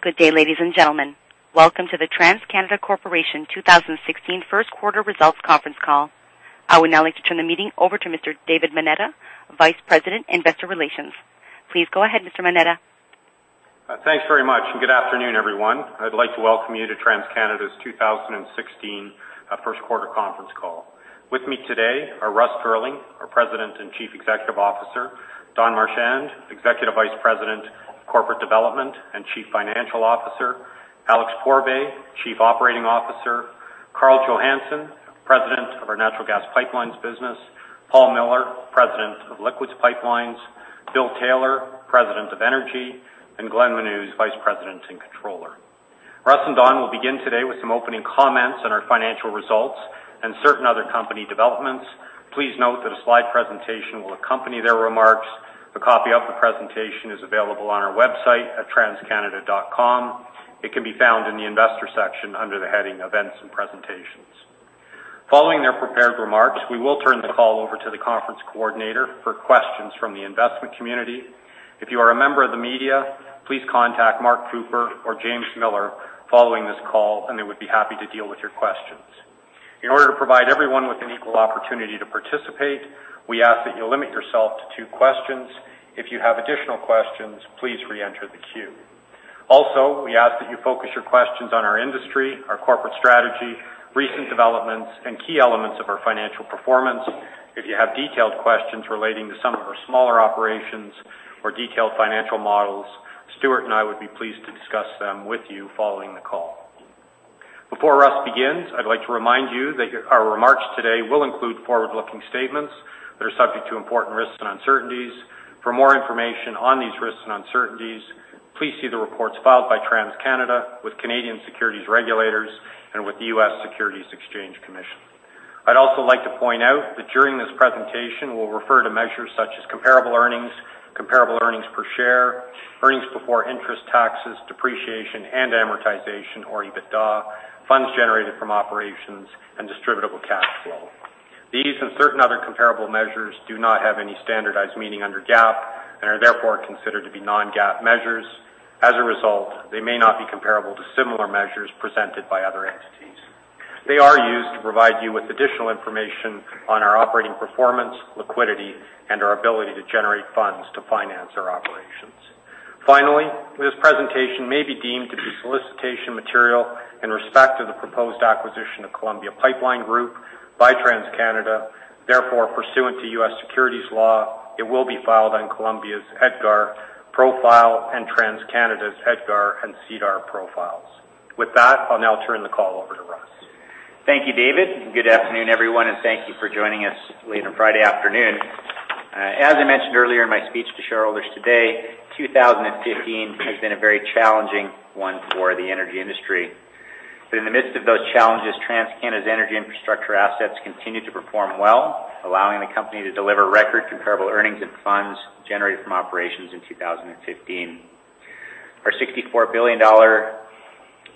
Good day, ladies and gentlemen. Welcome to the TransCanada Corporation 2016 first quarter results conference call. I would now like to turn the meeting over to Mr. David Moneta, Vice President, Investor Relations. Please go ahead, Mr. Moneta. Thanks very much. Good afternoon, everyone. I'd like to welcome you to TransCanada's 2016 first quarter conference call. With me today are Russ Girling, our President and Chief Executive Officer, Don Marchand, Executive Vice President, Corporate Development and Chief Financial Officer, Alex Pourbaix, Chief Operating Officer, Karl Johannson, President of our Natural Gas Pipelines business, Paul Miller, President of Liquids Pipelines, Bill Taylor, President of Energy, and Glenn Menuz, Vice President and Controller. Russ and Don will begin today with some opening comments on our financial results and certain other company developments. Please note that a slide presentation will accompany their remarks. A copy of the presentation is available on our website at transcanada.com. It can be found in the Investor section under the heading Events and Presentations. Following their prepared remarks, we will turn the call over to the conference coordinator for questions from the investment community. If you are a member of the media, please contact Mark Cooper or James Miller following this call, and they would be happy to deal with your questions. In order to provide everyone with an equal opportunity to participate, we ask that you limit yourself to two questions. If you have additional questions, please re-enter the queue. Also, we ask that you focus your questions on our industry, our corporate strategy, recent developments, and key elements of our financial performance. If you have detailed questions relating to some of our smaller operations or detailed financial models, Stuart and I would be pleased to discuss them with you following the call. Before Russ begins, I'd like to remind you that our remarks today will include forward-looking statements that are subject to important risks and uncertainties. For more information on these risks and uncertainties, please see the reports filed by TransCanada with Canadian securities regulators and with the U.S. Securities and Exchange Commission. I'd also like to point out that during this presentation, we'll refer to measures such as comparable earnings, comparable earnings per share, earnings before interest, taxes, depreciation, and amortization or EBITDA, funds generated from operations, and distributable cash flow. These and certain other comparable measures do not have any standardized meaning under GAAP and are therefore considered to be non-GAAP measures. As a result, they may not be comparable to similar measures presented by other entities. They are used to provide you with additional information on our operating performance, liquidity, and our ability to generate funds to finance our operations. Finally, this presentation may be deemed to be solicitation material in respect of the proposed acquisition of Columbia Pipeline Group by TransCanada. Therefore, pursuant to U.S. securities law, it will be filed on Columbia's EDGAR profile and TransCanada's EDGAR and SEDAR profiles. With that, I'll now turn the call over to Russ. Thank you, David, good afternoon, everyone, and thank you for joining us late on a Friday afternoon. As I mentioned earlier in my speech to shareholders today, 2015 has been a very challenging one for the energy industry. But in the midst of those challenges, TransCanada's energy infrastructure assets continued to perform well, allowing the company to deliver record comparable earnings and funds generated from operations in 2015. Our 64 billion dollar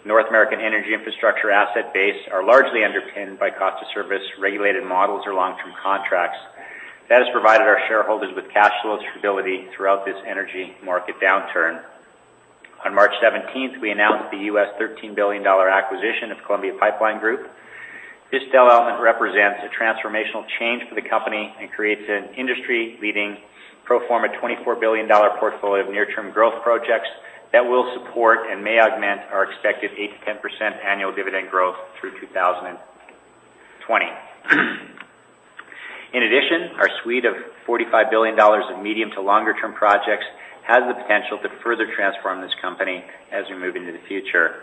North American energy infrastructure asset base are largely underpinned by cost-of-service-regulated models or long-term contracts. That has provided our shareholders with cash flow stability throughout this energy market downturn. On March 17th, we announced the US $13 billion acquisition of Columbia Pipeline Group. This development represents a transformational change for the company, creates an industry-leading pro forma 24 billion dollar portfolio of near-term growth projects that will support and may augment our expected 8%-10% annual dividend growth through 2020. In addition, our suite of 45 billion dollars of medium to longer-term projects has the potential to further transform this company as we move into the future.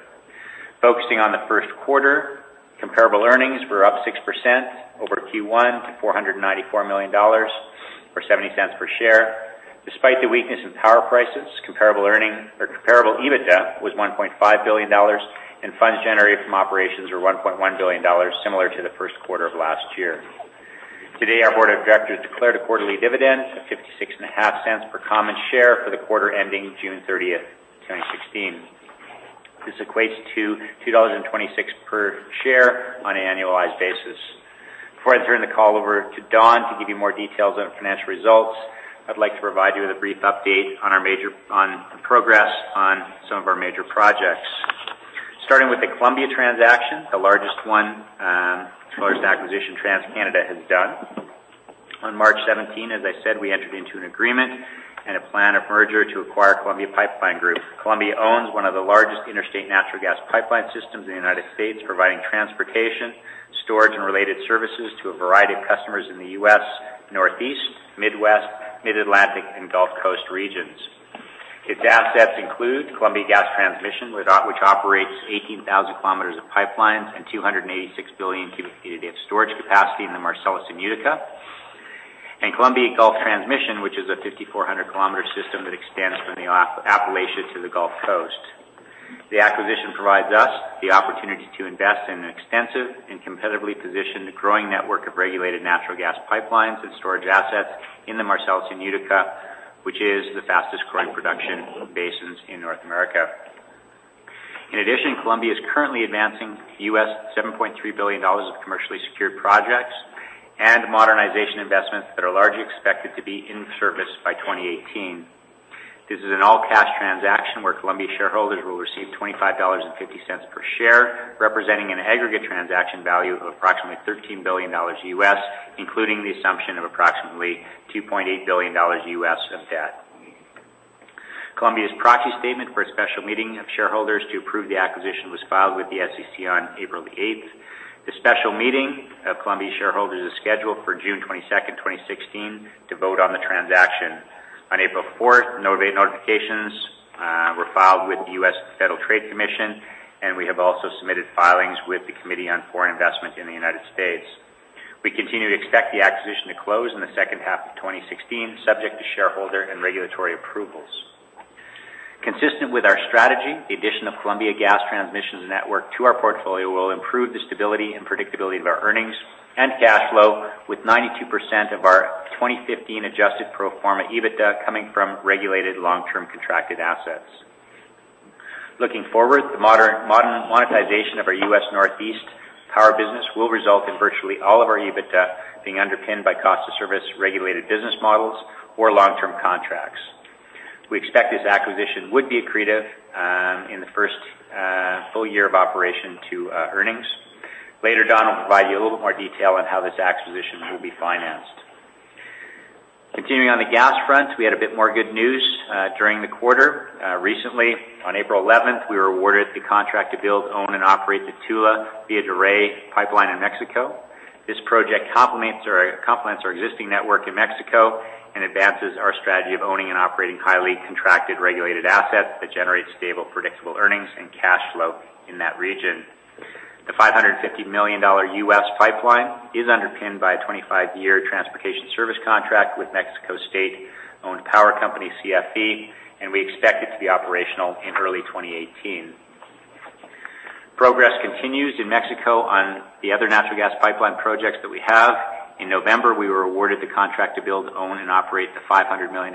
Focusing on the first quarter, comparable earnings were up 6% over Q1 to 494 million dollars or 0.70 per share. Despite the weakness in power prices, comparable EBITDA was 1.5 billion dollars and funds generated from operations were 1.1 billion dollars, similar to the first quarter of last year. Today, our board of directors declared a quarterly dividend of 0.565 per common share for the quarter ending June 30th, 2016. This equates to 2.26 dollars per share on an annualized basis. Before I turn the call over to Don to give you more details on financial results, I'd like to provide you with a brief update on progress on some of our major projects. Starting with the Columbia transaction, the largest one in terms of acquisition TransCanada has done. On March 17, as I said, we entered into an agreement and a plan of merger to acquire Columbia Pipeline Group. Columbia owns one of the largest interstate natural gas pipeline systems in the U.S., providing transportation, storage, and related services to a variety of customers in the U.S. Northeast, Midwest, Mid-Atlantic, and Gulf Coast regions. Its assets include Columbia Gas Transmission, which operates 18,000 kilometers of pipelines and 286 billion cubic feet of storage capacity in the Marcellus and Utica, and Columbia Gulf Transmission, which is a 5,400-kilometer system that extends from the Appalachia to the Gulf Coast. The acquisition provides us the opportunity to invest in an extensive and competitively positioned growing network of regulated natural gas pipelines and storage assets in the Marcellus and Utica, which is the fastest-growing production basins in North America. In addition, Columbia is currently advancing US $7.3 billion of commercially secured projects and modernization investments that are largely expected to be in service by 2018. This is an all-cash transaction where Columbia shareholders will receive $25.50 per share, representing an aggregate transaction value of approximately US $13 billion, including the assumption of approximately US $2.8 billion of debt. Columbia's proxy statement for a special meeting of shareholders to approve the acquisition was filed with the SEC on April the 8th. The special meeting of Columbia shareholders is scheduled for June 22nd, 2016, to vote on the transaction. On April 4th, notifications were filed with the U.S. Federal Trade Commission, and we have also submitted filings with the Committee on Foreign Investment in the United States. We continue to expect the acquisition to close in the second half of 2016, subject to shareholder and regulatory approvals. Consistent with our strategy, the addition of Columbia Gas Transmission's network to our portfolio will improve the stability and predictability of our earnings and cash flow, with 92% of our 2015 adjusted pro forma EBITDA coming from regulated long-term contracted assets. Looking forward, the monetization of our U.S. Northeast power business will result in virtually all of our EBITDA being underpinned by cost-of-service regulated business models or long-term contracts. We expect this acquisition would be accretive in the first full year of operation to earnings. Later, Don will provide you a little bit more detail on how this acquisition will be financed. Continuing on the gas front, we had a bit more good news during the quarter. Recently, on April 11th, we were awarded the contract to build, own, and operate the Tula-Villa de Reyes pipeline in Mexico. This project complements our existing network in Mexico and advances our strategy of owning and operating highly contracted regulated assets that generate stable, predictable earnings and cash flow in that region. The US $550 million pipeline is underpinned by a 25-year transportation service contract with Mexico's state-owned power company, CFE, and we expect it to be operational in early 2018. Progress continues in Mexico on the other natural gas pipeline projects that we have. In November, we were awarded the contract to build, own, and operate the US $500 million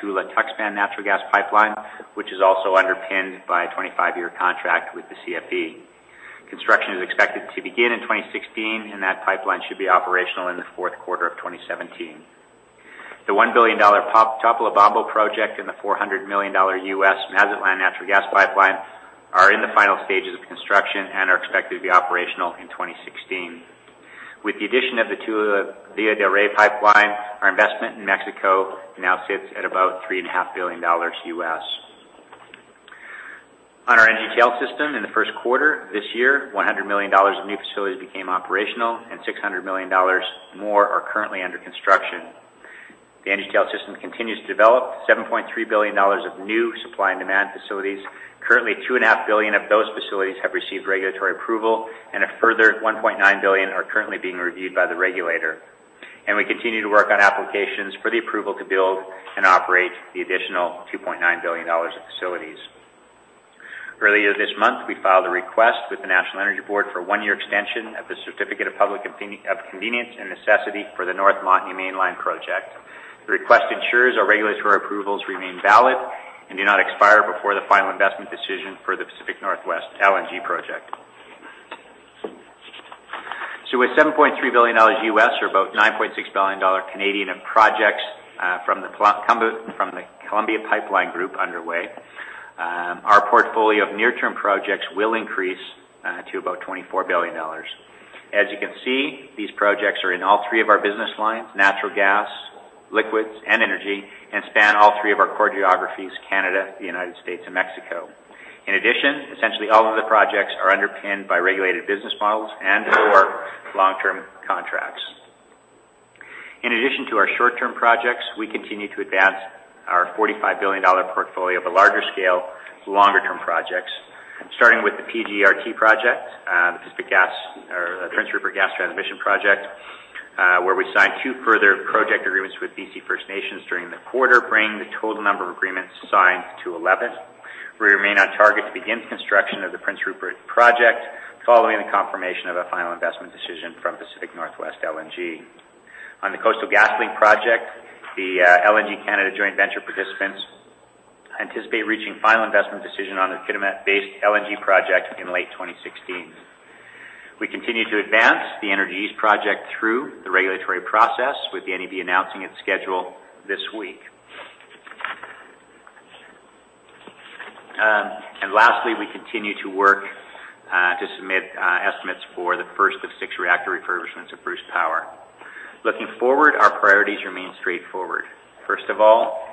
Tula-Tuxpan natural gas pipeline, which is also underpinned by a 25-year contract with the CFE. Construction is expected to begin in 2016, and that pipeline should be operational in the fourth quarter of 2017. The US $1 billion Topolobampo project and the US $400 million Mazatlan natural gas pipeline are in the final stages of construction and are expected to be operational in 2016. With the addition of the Tula-Villa de Reyes pipeline, our investment in Mexico now sits at about US $3.5 billion. On our NGTL system, in the first quarter this year, 100 million dollars of new facilities became operational, and 600 million dollars more are currently under construction. The NGTL system continues to develop 7.3 billion dollars of new supply and demand facilities. Currently, 2.5 billion of those facilities have received regulatory approval, a further 1.9 billion are currently being reviewed by the regulator. We continue to work on applications for the approval to build and operate the additional 2.9 billion dollars of facilities. Earlier this month, we filed a request with the National Energy Board for a one-year extension of the Certificate of Public Convenience and Necessity for the North Montney Mainline project. The request ensures our regulatory approvals remain valid and do not expire before the final investment decision for the Pacific NorthWest LNG project. With $7.3 billion or about 9.6 billion Canadian dollars of projects from the Columbia Pipeline Group underway, our portfolio of near-term projects will increase to about 24 billion dollars. As you can see, these projects are in all three of our business lines, natural gas, liquids, and energy, and span all three of our core geographies, Canada, the U.S., and Mexico. In addition, essentially all of the projects are underpinned by regulated business models and/or long-term contracts. In addition to our short-term projects, we continue to advance our 45 billion dollar portfolio of larger-scale, longer-term projects, starting with the PRGT project, the Prince Rupert Gas Transmission project, where we signed two further project agreements with BC First Nations during the quarter, bringing the total number of agreements signed to 11. We remain on target to begin construction of the Prince Rupert project following the confirmation of a final investment decision from Pacific NorthWest LNG. On the Coastal GasLink project, the LNG Canada joint venture participants anticipate reaching final investment decision on the Kitimat-based LNG project in late 2016. We continue to advance the Energy East project through the regulatory process, with the NEB announcing its schedule this week. Lastly, we continue to work to submit estimates for the first of six reactor refurbishments of Bruce Power. Looking forward, our priorities remain straightforward. First of all,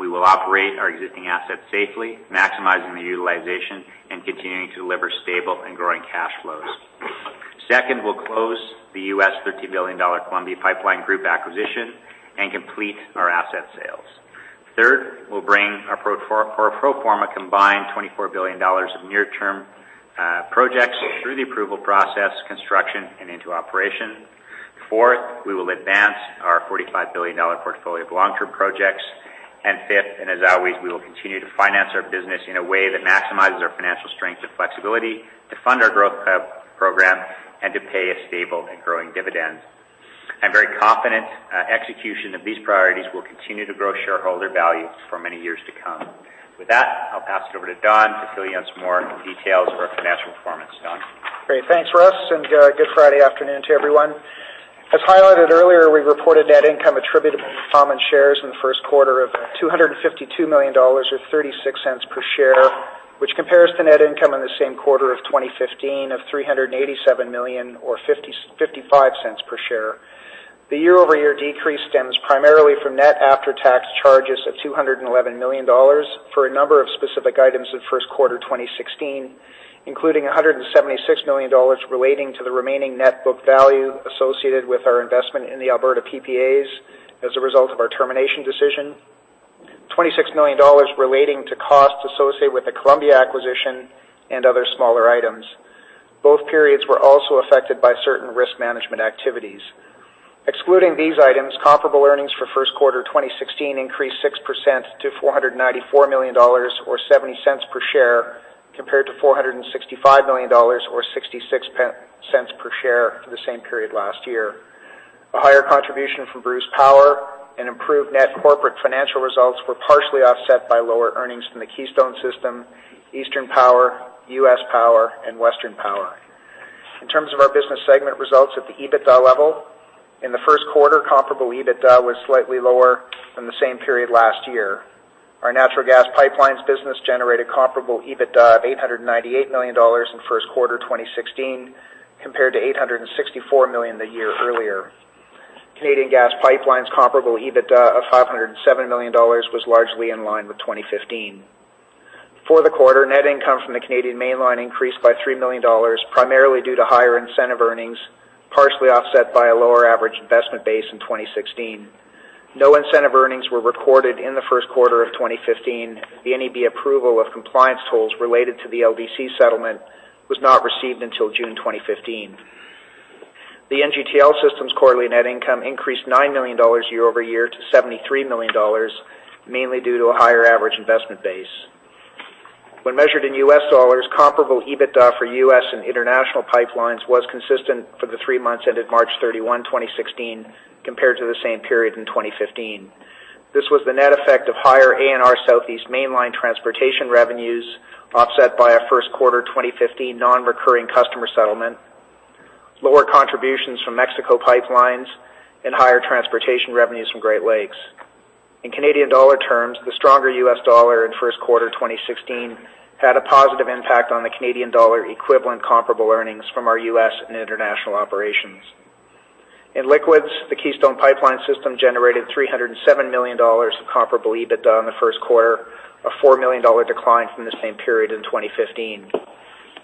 we will operate our existing assets safely, maximizing the utilization and continuing to deliver stable and growing cash flows. Second, we'll close the $13 billion Columbia Pipeline Group acquisition and complete our asset sales. Third, we'll bring our pro forma combined 24 billion dollars of near-term projects through the approval process, construction, and into operation. Fourth, we will advance our 45 billion dollar portfolio of long-term projects. Fifth, and as always, we will continue to finance our business in a way that maximizes our financial strength and flexibility to fund our growth program and to pay a stable and growing dividend. I'm very confident execution of these priorities will continue to grow shareholder value for many years to come. With that, I'll pass it over to Don to fill you in some more details of our financial performance. Don. Great. Thanks, Russ. Good Friday afternoon to everyone. As highlighted earlier, we reported net income attributable to common shares in the first quarter of 252 million dollars, or 0.36 per share, which compares to net income in the same quarter of 2015 of 387 million, or 0.55 per share. The year-over-year decrease stems primarily from net after-tax charges of 211 million dollars for a number of specific items in first quarter 2016, including 176 million dollars relating to the remaining net book value associated with our investment in the Alberta PPAs as a result of our termination decision, 26 million dollars relating to costs associated with the Columbia acquisition, other smaller items. Both periods were also affected by certain risk management activities. Excluding these items, comparable earnings for first quarter 2016 increased 6% to 494 million dollars, or 0.70 per share, compared to 465 million dollars, or 0.66 per share for the same period last year. A higher contribution from Bruce Power and improved net corporate financial results were partially offset by lower earnings from the Keystone system, Eastern Power, U.S. Power, and Western Power. In terms of our business segment results at the EBITDA level, in the first quarter, comparable EBITDA was slightly lower than the same period last year. Our natural gas pipelines business generated comparable EBITDA of 898 million dollars in first quarter 2016, compared to 864 million the year earlier. Canadian Gas Pipelines' comparable EBITDA of 507 million dollars was largely in line with 2015. For the quarter, net income from the Canadian Mainline increased by 3 million dollars, primarily due to higher incentive earnings, partially offset by a lower average investment base in 2016. No incentive earnings were recorded in the first quarter of 2015. The NEB approval of compliance tools related to the LDC settlement was not received until June 2015. The NGTL systems quarterly net income increased 9 million dollars year-over-year to 73 million dollars, mainly due to a higher average investment base. When measured in U.S. dollars, comparable EBITDA for U.S. and international pipelines was consistent for the three months ended March 31, 2016, compared to the same period in 2015. This was the net effect of higher ANR Southeast Mainline transportation revenues offset by a first quarter 2015 non-recurring customer settlement, lower contributions from Mexico pipelines, higher transportation revenues from Great Lakes. In Canadian dollar terms, the stronger U.S. dollar in first quarter 2016 had a positive impact on the Canadian dollar equivalent comparable earnings from our U.S. and international operations. In liquids, the Keystone Pipeline system generated 307 million dollars of comparable EBITDA in the first quarter, a 4 million dollar decline from the same period in 2015.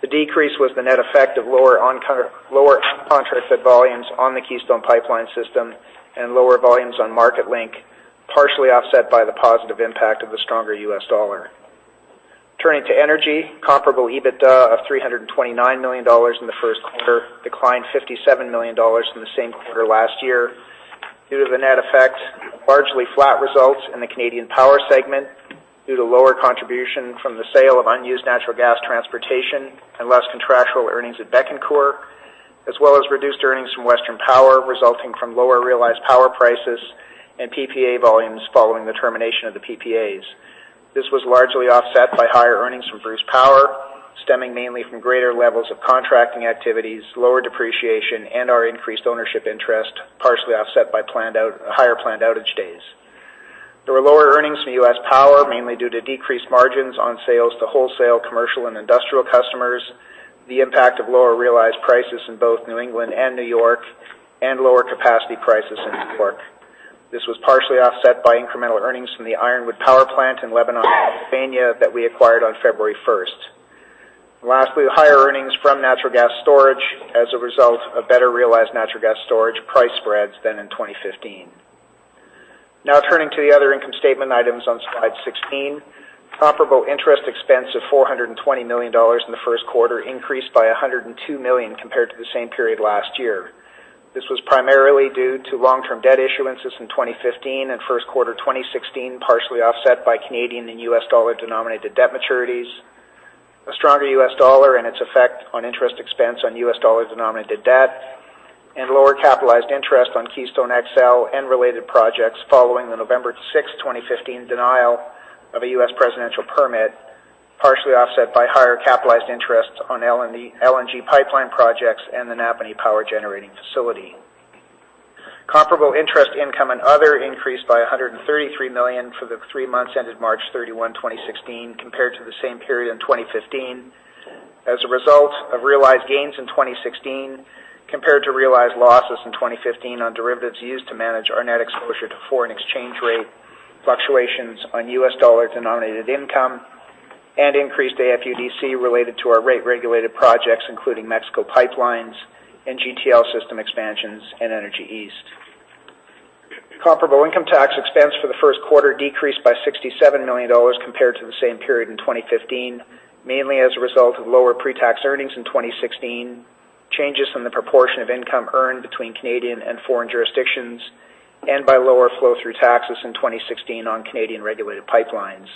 The decrease was the net effect of lower contracted volumes on the Keystone Pipeline system, lower volumes on MarketLink, partially offset by the positive impact of the stronger U.S. dollar. Turning to energy, comparable EBITDA of 329 million dollars in the first quarter declined 57 million dollars from the same quarter last year due to the net effect of largely flat results in the Canadian power segment due to lower contribution from the sale of unused natural gas transportation and less contractual earnings at Bécancour, as well as reduced earnings from Western Power resulting from lower realized power prices and PPA volumes following the termination of the PPAs. This was largely offset by higher earnings from Bruce Power, stemming mainly from greater levels of contracting activities, lower depreciation, and our increased ownership interest, partially offset by higher planned outage days. There were lower earnings from U.S. Power, mainly due to decreased margins on sales to wholesale, commercial, and industrial customers, the impact of lower realized prices in both New England and New York, and lower capacity prices in New York. This was partially offset by incremental earnings from the Ironwood Power Plant in Lebanon, Pennsylvania, that we acquired on February 1st. Higher earnings from natural gas storage as a result of better-realized natural gas storage price spreads than in 2015. Turning to the other income statement items on slide 16. Comparable interest expense of 420 million dollars in the first quarter increased by 102 million compared to the same period last year. This was primarily due to long-term debt issuances in 2015 and first quarter 2016, partially offset by Canadian and U.S. dollar-denominated debt maturities, a stronger U.S. dollar and its effect on interest expense on U.S. dollar-denominated debt, and lower capitalized interest on Keystone XL and related projects following the November 6th, 2015, denial of a U.S. presidential permit, partially offset by higher capitalized interest on LNG pipeline projects and the Napanee Power generating facility. Comparable interest income and other increased by 133 million for the three months ended March 31, 2016, compared to the same period in 2015, as a result of realized gains in 2016 compared to realized losses in 2015 on derivatives used to manage our net exposure to foreign exchange rate fluctuations on U.S. dollar-denominated income and increased AFUDC related to our rate-regulated projects, including Mexico pipelines, NGTL system expansions, and Energy East. Comparable income tax expense for the first quarter decreased by 67 million dollars compared to the same period in 2015, mainly as a result of lower pre-tax earnings in 2016, changes in the proportion of income earned between Canadian and foreign jurisdictions, and by lower flow-through taxes in 2016 on Canadian-regulated pipelines.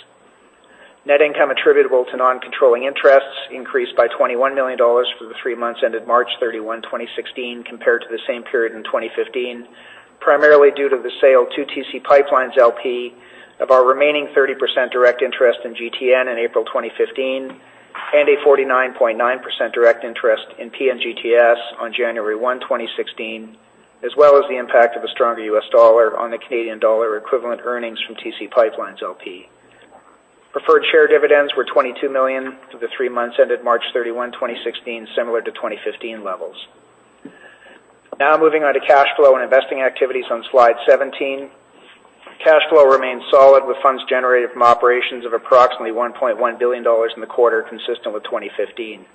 Net income attributable to non-controlling interests increased by 21 million dollars for the three months ended March 31, 2016, compared to the same period in 2015, primarily due to the sale to TC PipeLines, LP of our remaining 30% direct interest in GTN in April 2015, and a 49.9% direct interest in PNGTS on January 1, 2016, as well as the impact of a stronger U.S. dollar on the Canadian dollar equivalent earnings from TC PipeLines, LP. Preferred share dividends were 22 million for the three months ended March 31, 2016, similar to 2015 levels. Moving on to cash flow and investing activities on slide 17. Cash flow remains solid with funds generated from operations of approximately 1.1 billion dollars in the quarter, consistent with 2015.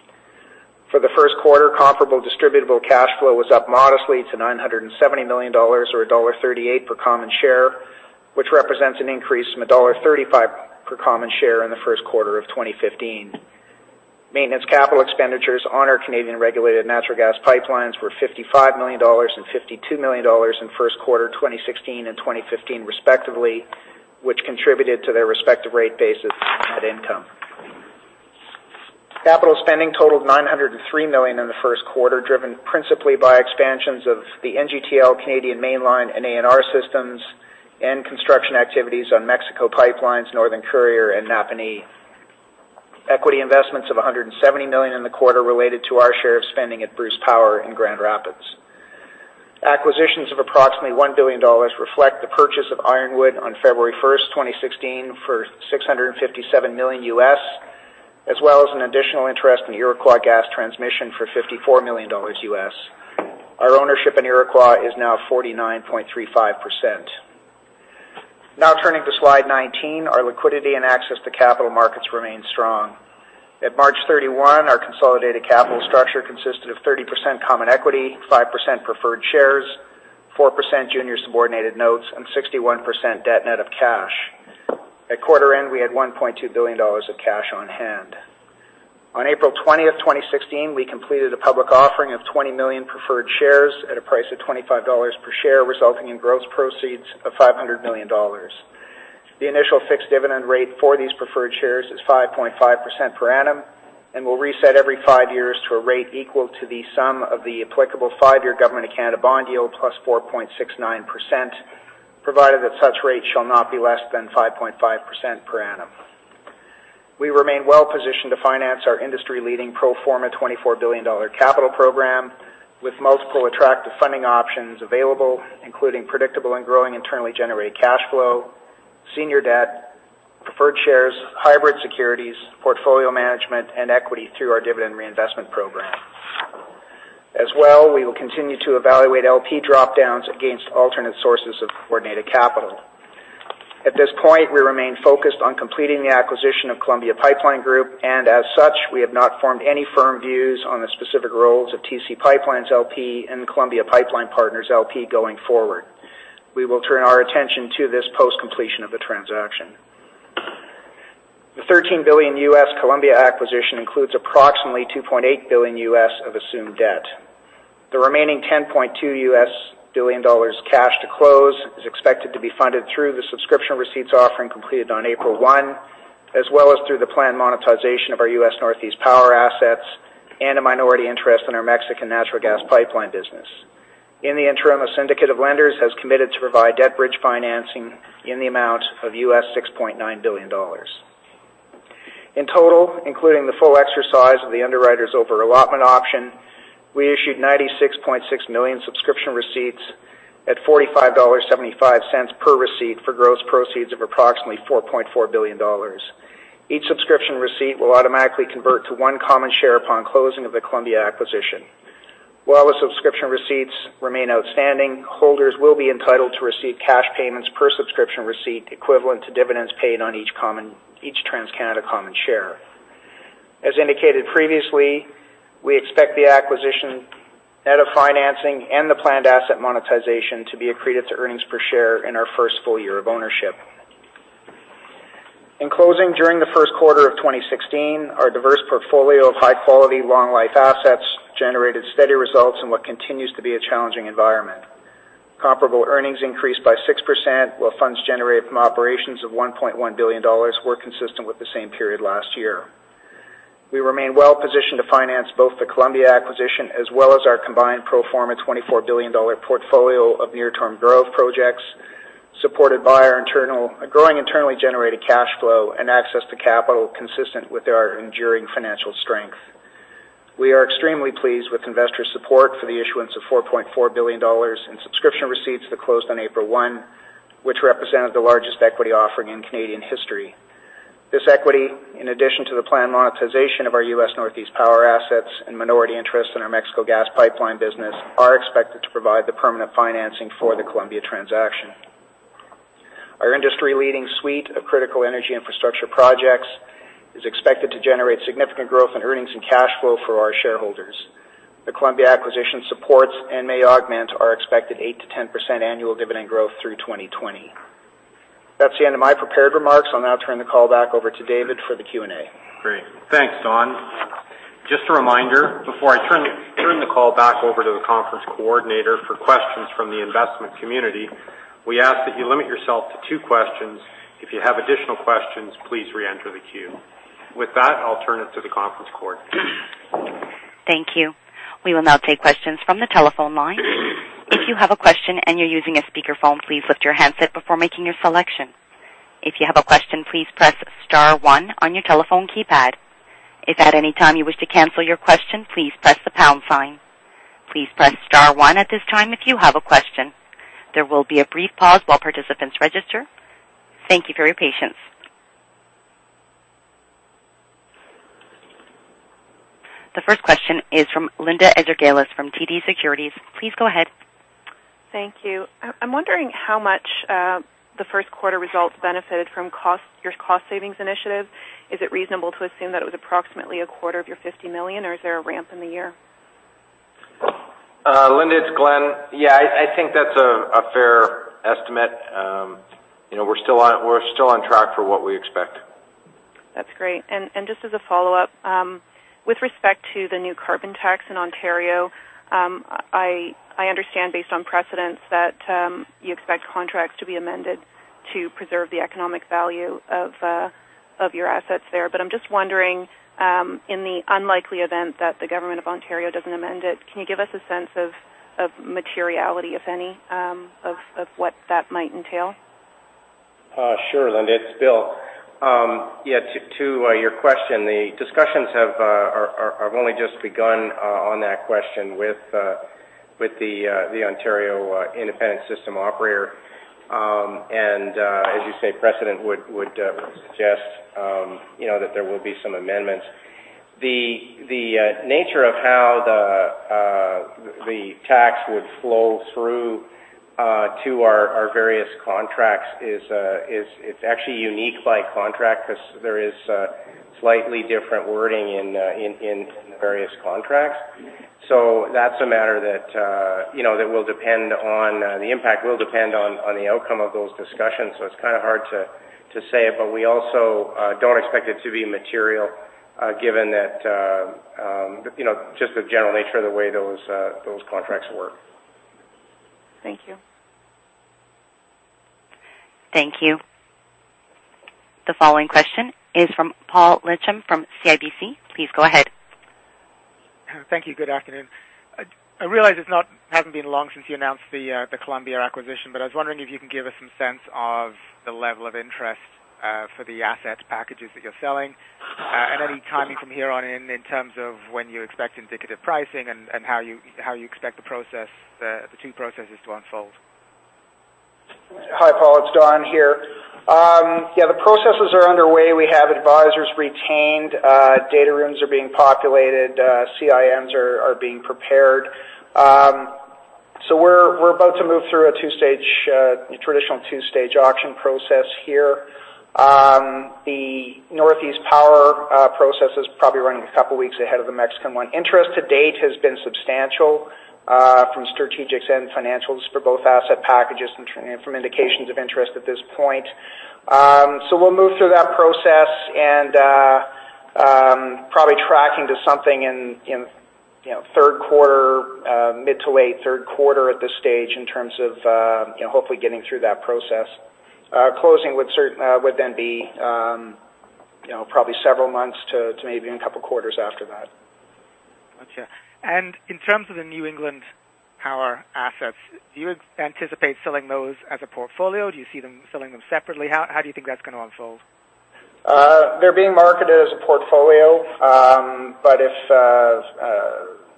For the first quarter, comparable distributable cash flow was up modestly to 970 million dollars, or dollar 1.38 per common share, which represents an increase from dollar 1.35 per common share in the first quarter of 2015. Maintenance capital expenditures on our Canadian regulated natural gas pipelines were 55 million dollars and 52 million dollars in first quarter 2016 and 2015, respectively, which contributed to their respective rate bases and net income. Capital spending totaled 903 million in the first quarter, driven principally by expansions of the NGTL Canadian Mainline and ANR systems, and construction activities on Mexico pipelines, Northern Courier, and Napanee. Equity investments of 170 million in the quarter related to our share of spending at Bruce Power in Grand Rapids. Acquisitions of approximately 1 billion dollars reflect the purchase of Ironwood on February 1st, 2016, for $657 million U.S., as well as an additional interest in Iroquois Gas Transmission for $54 million U.S. Our ownership in Iroquois is now 49.35%. Turning to slide 19, our liquidity and access to capital markets remain strong. At March 31, our consolidated capital structure consisted of 30% common equity, 5% preferred shares, 4% junior subordinated notes, and 61% debt net of cash. At quarter end, we had 1.2 billion dollars of cash on hand. On April 20th, 2016, we completed a public offering of 20 million preferred shares at a price of 25 dollars per share, resulting in gross proceeds of 500 million dollars. The initial fixed dividend rate for these preferred shares is 5.5% per annum and will reset every five years to a rate equal to the sum of the applicable five-year Government of Canada bond yield plus 4.69%, provided that such rate shall not be less than 5.5% per annum. We remain well-positioned to finance our industry-leading pro forma 24 billion dollar capital program, with multiple attractive funding options available, including predictable and growing internally-generated cash flow, senior debt, preferred shares, hybrid securities, portfolio management, and equity through our dividend reinvestment program. We will continue to evaluate LP drop-downs against alternate sources of coordinated capital. At this point, we remain focused on completing the acquisition of Columbia Pipeline Group, and as such, we have not formed any firm views on the specific roles of TC PipeLines, LP and Columbia Pipeline Partners LP going forward. We will turn our attention to this post-completion of the transaction. The $13 billion U.S. Columbia acquisition includes approximately $2.8 billion U.S. of assumed debt. The remaining $10.2 billion U.S. cash to close is expected to be funded through the subscription receipts offering completed on April 1, as well as through the planned monetization of our U.S. Northeast power assets and a minority interest in our Mexican natural gas pipeline business. In the interim, a syndicate of lenders has committed to provide debt bridge financing in the amount of $6.9 billion U.S. In total, including the full exercise of the underwriter's over-allotment option, we issued 96.6 million subscription receipts at 45.75 dollars per receipt for gross proceeds of approximately 4.4 billion dollars. Each subscription receipt will automatically convert to one common share upon closing of the Columbia acquisition. While the subscription receipts remain outstanding, holders will be entitled to receive cash payments per subscription receipt equivalent to dividends paid on each TransCanada common share. As indicated previously, we expect the acquisition, net of financing, and the planned asset monetization to be accretive to earnings per share in our first full year of ownership. In closing, during the first quarter of 2016, our diverse portfolio of high-quality, long-life assets generated steady results in what continues to be a challenging environment. Comparable earnings increased by 6%, while funds generated from operations of 1.1 billion dollars were consistent with the same period last year. We remain well-positioned to finance both the Columbia acquisition as well as our combined pro forma 24 billion dollar portfolio of near-term growth projects, supported by our growing internally generated cash flow and access to capital consistent with our enduring financial strength. We are extremely pleased with investor support for the issuance of 4.4 billion dollars in subscription receipts that closed on April 1, which represented the largest equity offering in Canadian history. This equity, in addition to the planned monetization of our U.S. Northeast power assets and minority interest in our Mexico gas pipeline business, are expected to provide the permanent financing for the Columbia transaction. Our industry-leading suite of critical energy infrastructure projects is expected to generate significant growth in earnings and cash flow for our shareholders. The Columbia acquisition supports and may augment our expected 8%-10% annual dividend growth through 2020. That's the end of my prepared remarks. I'll now turn the call back over to David for the Q&A. Great. Thanks, Don. Just a reminder, before I turn the call back over to the conference coordinator for questions from the investment community, we ask that you limit yourself to two questions. If you have additional questions, please reenter the queue. With that, I'll turn it to the conference coordinator. Thank you. We will now take questions from the telephone line. If you have a question and you're using a speakerphone, please lift your handset before making your selection. If you have a question, please press star one on your telephone keypad. If at any time you wish to cancel your question, please press the pound sign. Please press star one at this time if you have a question. There will be a brief pause while participants register. Thank you for your patience. The first question is from Linda Ezergailis from TD Securities. Please go ahead. Thank you. I'm wondering how much the first quarter results benefited from your cost savings initiative. Is it reasonable to assume that it was approximately a quarter of your 50 million, or is there a ramp in the year? Linda, it's Glenn. Yeah, I think that's a fair estimate. We're still on track for what we expect. That's great. Just as a follow-up, with respect to the new carbon tax in Ontario, I understand based on precedents that you expect contracts to be amended to preserve the economic value of your assets there. I'm just wondering, in the unlikely event that the Government of Ontario doesn't amend it, can you give us a sense of materiality, if any, of what that might entail? Sure, Linda, it's Bill. Yeah, to your question, the discussions have only just begun on that question with the Independent Electricity System Operator. As you say, precedent would suggest that there will be some amendments. The nature of how the tax would flow through to our various contracts, it's actually unique by contract because there is slightly different wording in the various contracts. That's a matter that the impact will depend on the outcome of those discussions. It's kind of hard to say, but we also don't expect it to be material, given just the general nature of the way those contracts work. Thank you. Thank you. The following question is from Paul Lechem from CIBC. Please go ahead. Thank you. Good afternoon. I realize it hasn't been long since you announced the Columbia acquisition, but I was wondering if you can give us some sense of the level of interest for the asset packages that you're selling. Any timing from here on in terms of when you expect indicative pricing and how you expect the two processes to unfold. Hi, Paul, it's Don here. The processes are underway. We have advisors retained. Data rooms are being populated. CIMs are being prepared. We're about to move through a traditional two-stage auction process here. The Northeast power process is probably running a couple of weeks ahead of the Mexican one. Interest to date has been substantial from strategics and financials for both asset packages and from indications of interest at this point. We'll move through that process and probably tracking to something in mid to late third quarter at this stage in terms of hopefully getting through that process. Closing would then be probably several months to maybe even a couple of quarters after that. Got you. In terms of the New England power assets, do you anticipate selling those as a portfolio? Do you see them selling them separately? How do you think that's going to unfold? They're being marketed as a portfolio.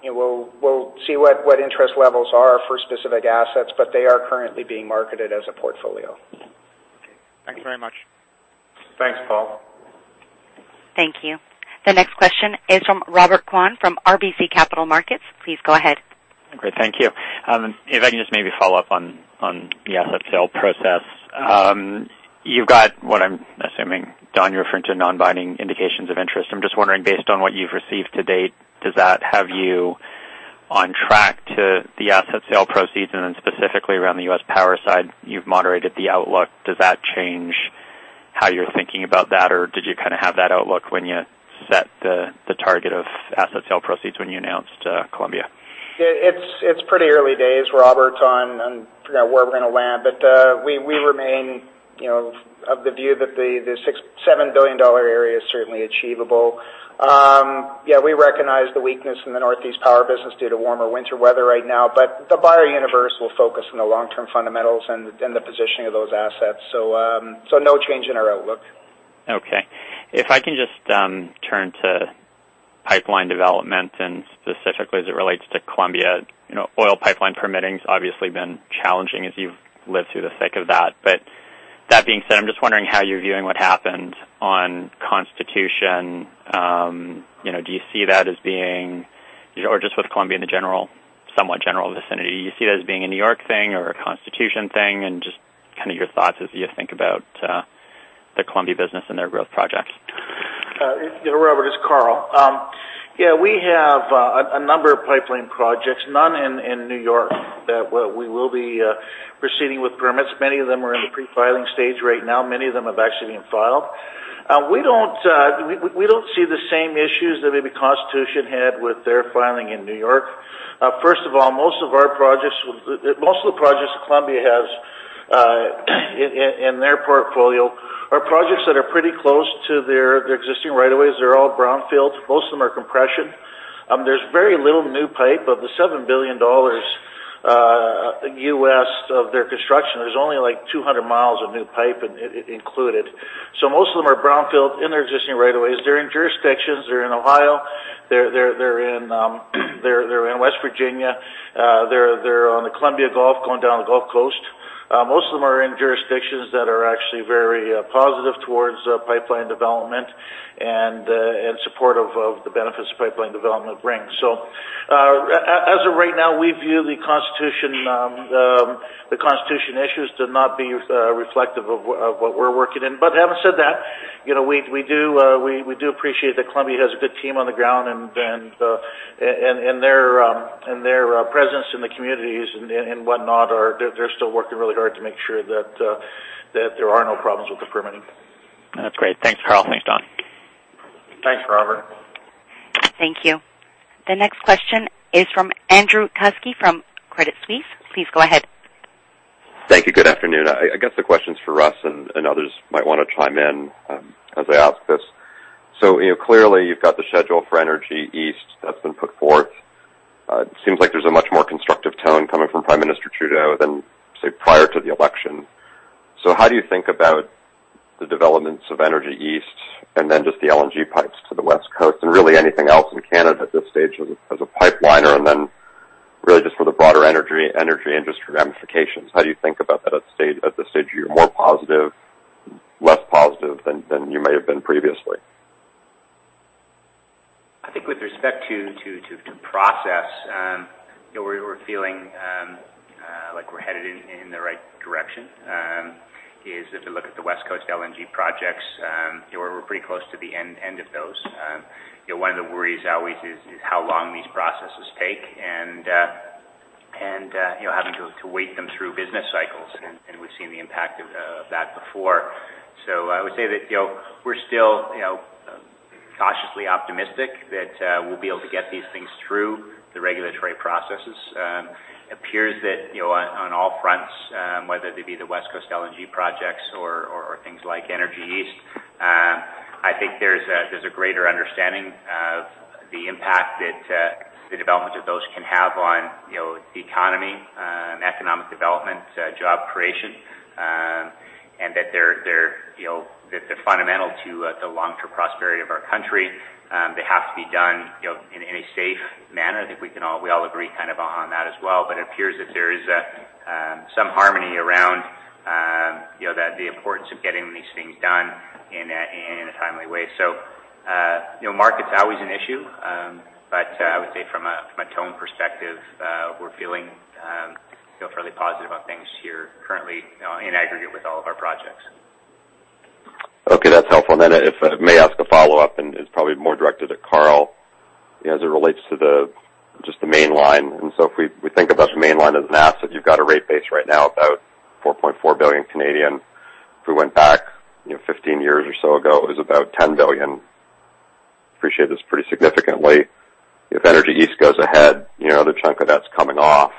We'll see what interest levels are for specific assets, they are currently being marketed as a portfolio. Okay. Thanks very much. Thanks, Paul. Thank you. The next question is from Robert Kwan from RBC Capital Markets. Please go ahead. Great. Thank you. If I can just maybe follow up on the asset sale process. You've got what I'm assuming, Don, you're referring to non-binding indications of interest. I'm just wondering, based on what you've received to date, does that have you on track to the asset sale proceeds? Then specifically around the U.S. Power side, you've moderated the outlook. Does that change how you're thinking about that, or did you kind of have that outlook when you set the target of asset sale proceeds when you announced Columbia? It's pretty early days, Robert, on where we're going to land. We remain of the view that the 7 billion dollar area is certainly achievable. We recognize the weakness in the Northeast power business due to warmer winter weather right now, the buyer universe will focus on the long-term fundamentals and the positioning of those assets. No change in our outlook. Okay. If I can just turn to pipeline development, and specifically as it relates to Columbia. Oil pipeline permitting's obviously been challenging as you've lived through the cycle of that. That being said, I'm just wondering how you're viewing what happened on Constitution. Just with Columbia in the somewhat general vicinity, do you see that as being a New York thing or a Constitution thing? Just kind of your thoughts as you think about the Columbia business and their growth project. Yeah, Robert, it's Karl. Yeah, we have A number of pipeline projects, none in New York, that we will be proceeding with permits. Many of them are in the pre-filing stage right now. Many of them have actually been filed. We don't see the same issues that maybe Constitution had with their filing in New York. First of all, most of the projects Columbia has in their portfolio are projects that are pretty close to their existing right-of-ways. They're all brownfields. Most of them are compression. There's very little new pipe. Of the $7 billion US of their construction, there's only 200 miles of new pipe included. Most of them are brownfield in their existing right-of-ways. They're in jurisdictions. They're in Ohio. They're in West Virginia. They're on the Columbia Gulf, going down the Gulf Coast. Most of them are in jurisdictions that are actually very positive towards pipeline development and supportive of the benefits pipeline development brings. As of right now, we view the Constitution issues to not be reflective of what we're working in. Having said that, we do appreciate that Columbia has a good team on the ground, and their presence in the communities and whatnot, they're still working really hard to make sure that there are no problems with the permitting. That's great. Thanks, Karl. Thanks, Don. Thanks, Robert. Thank you. The next question is from Andrew Kuske from Credit Suisse. Please go ahead. Thank you. Good afternoon. I guess the question's for Russ, and others might want to chime in as I ask this. Clearly, you've got the schedule for Energy East that's been put forth. It seems like there's a much more constructive tone coming from Prime Minister Trudeau than, say, prior to the election. How do you think about the developments of Energy East and then just the LNG pipes to the West Coast and really anything else in Canada at this stage as a pipeliner and then really just for the broader energy industry ramifications? How do you think about that at this stage? Are you more positive, less positive than you may have been previously? I think with respect to process, we're feeling like we're headed in the right direction. If you look at the West Coast LNG projects, we're pretty close to the end of those. One of the worries always is how long these processes take and having to wait them through business cycles, and we've seen the impact of that before. I would say that we're still cautiously optimistic that we'll be able to get these things through the regulatory processes. It appears that on all fronts, whether they be the West Coast LNG projects or things like Energy East, I think there's a greater understanding of the impact that the development of those can have on the economy, economic development, job creation, and that they're fundamental to the long-term prosperity of our country. They have to be done in a safe manner. I think we all agree on that as well. It appears that there is some harmony around the importance of getting these things done and in a timely way. Market's always an issue, but I would say from a tone perspective, we feel fairly positive about things here currently in aggregate with all of our projects. Okay. That's helpful. If I may ask a follow-up, and it's probably more directed at Karl, as it relates to just the Mainline. If we think about the Mainline as an asset, you've got a rate base right now about 4.4 billion. If we went back 15 years or so ago, it was about 10 billion. Appreciate that's pretty significantly. If Energy East goes ahead, the chunk of that's coming off.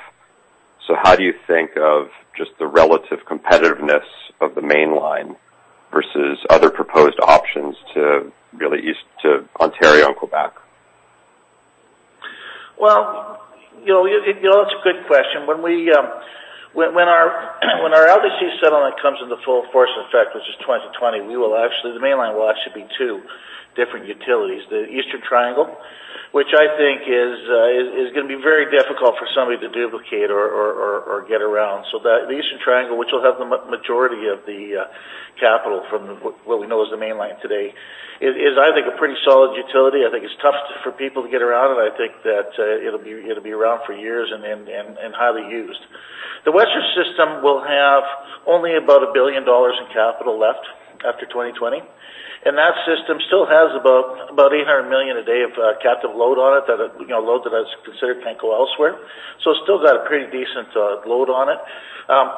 How do you think of just the relative competitiveness of the Mainline versus other proposed options to really East to Ontario and Quebec? Well, that's a good question. When our LDC settlement comes into full force, in fact, which is 2020, the Mainline will actually be two different utilities. The Eastern Triangle, which I think is going to be very difficult for somebody to duplicate or get around. The Eastern Triangle, which will have the majority of the capital from what we know as the Mainline today, is I think a pretty solid utility. I think it's tough for people to get around, and I think that it'll be around for years and highly used. The Western system will have only about 1 billion dollars in capital left after 2020, and that system still has about 800 million a day of captive load on it, load that is considered can't go elsewhere. It's still got a pretty decent load on it.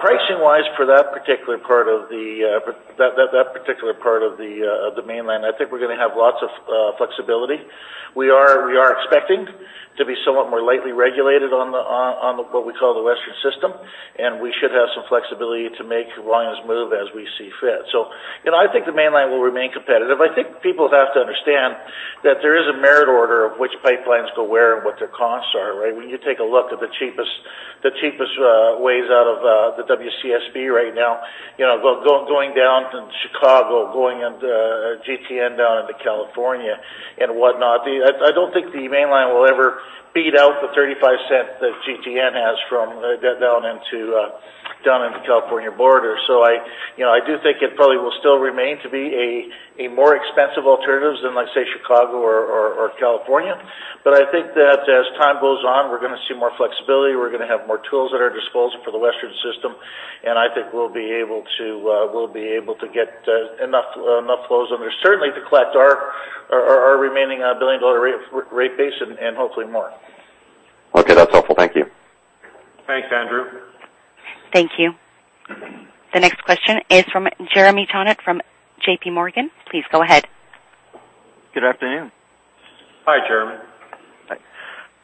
Pricing-wise for that particular part of the Mainline, I think we're going to have lots of flexibility. We are expecting to be somewhat more lightly regulated on what we call the Western System, and we should have some flexibility to make lines move as we see fit. I think the Mainline will remain competitive. I think people have to understand that there is a merit order of which pipelines go where and what their costs are, right? When you take a look at the cheapest ways out of the WCSB right now, going down to Chicago, going into GTN down into California and whatnot, I don't think the Mainline will ever beat out the 0.35 that GTN has from down into California border. I do think it probably will still remain to be a more expensive alternatives than, let's say, Chicago or California. I think that as time goes on, we're going to see more flexibility. We're going to have more tools at our disposal for the Western System. I think we'll be able to get enough flows under, certainly to collect our remaining billion-dollar rate base and hopefully more. Okay. That's helpful. Thank you. Thanks, Andrew. Thank you. The next question is from Jeremy Tonet from J.P. Morgan. Please go ahead. Good afternoon. Hi, Jeremy.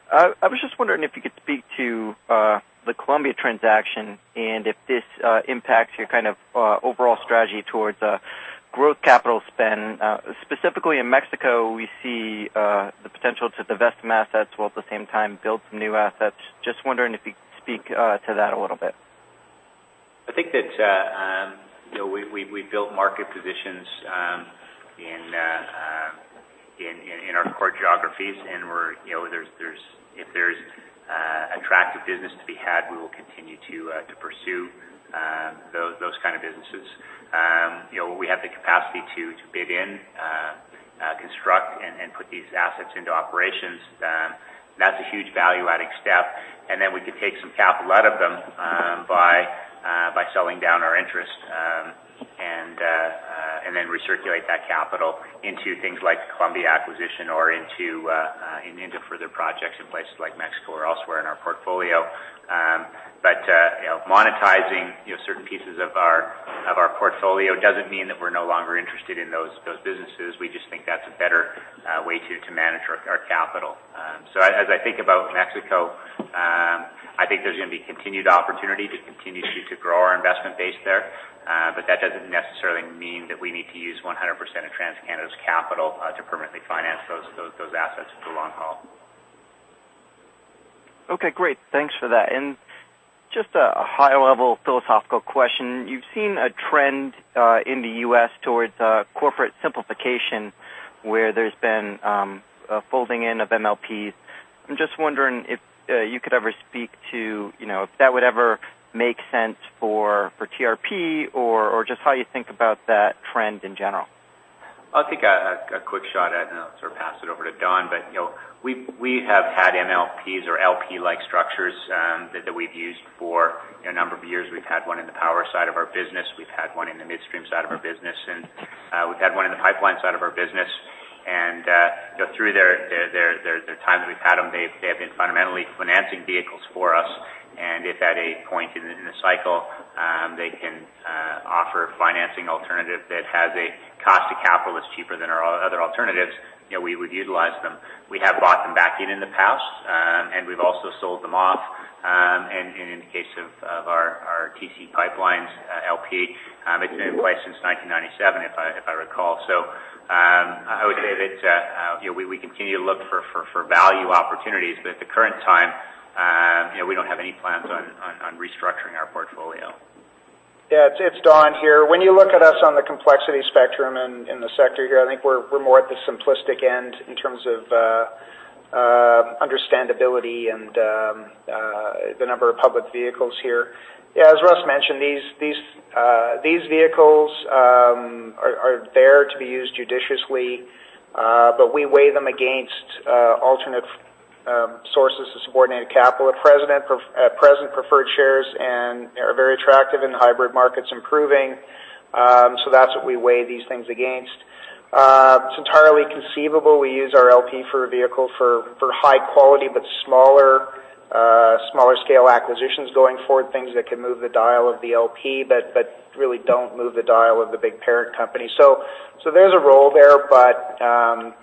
Hi. I was just wondering if you could speak to the Columbia transaction and if this impacts your overall strategy towards growth capital spend. Specifically, in Mexico, we see the potential to divest some assets while at the same time build some new assets. Just wondering if you could speak to that a little bit. I think that we built market positions in our core geographies, and if there's attractive business to be had, we will continue to pursue those kind of businesses. We have the capacity to bid in, construct, and put these assets into operations. That's a huge value-adding step. We could take some capital out of them by selling down our interest, and then recirculate that capital into things like Columbia acquisition or into further projects in places like Mexico or elsewhere in our portfolio. Monetizing certain pieces of our portfolio doesn't mean that we're no longer interested in those businesses. We just think that's a better way to manage our capital. As I think about Mexico, I think there's going to be continued opportunity to continue to grow our investment base there. That doesn't necessarily mean that we need to use 100% of TransCanada's capital to permanently finance those assets for the long haul. Okay, great. Thanks for that. Just a high-level philosophical question. You've seen a trend in the U.S. towards corporate simplification, where there's been a folding in of MLPs. I'm just wondering if you could ever speak to if that would ever make sense for TRP or just how you think about that trend in general. I'll take a quick shot at it and I'll pass it over to Don, but we have had MLPs or LP-like structures that we've used for a number of years. We've had one in the power side of our business. We've had one in the midstream side of our business, and we've had one in the pipeline side of our business. Through their time that we've had them, they have been fundamentally financing vehicles for us, and if at a point in the cycle, they can offer a financing alternative that has a cost of capital that's cheaper than our other alternatives, we would utilize them. We have bought them back in the past, and we've also sold them off. In the case of our TC PipeLines, LP, it's been in place since 1997, if I recall. I would say that we continue to look for value opportunities, but at the current time, we don't have any plans on restructuring our portfolio. Yeah. It's Don here. When you look at us on the complexity spectrum in the sector here, I think we're more at the simplistic end in terms of understandability and the number of public vehicles here. As Russ mentioned, these vehicles are there to be used judiciously, but we weigh them against alternate sources of subordinated capital. At present, preferred shares and are very attractive and the hybrid market's improving. That's what we weigh these things against. It's entirely conceivable we use our LP for a vehicle for high quality, but smaller scale acquisitions going forward, things that can move the dial of the LP, but really don't move the dial of the big parent company. There's a role there, but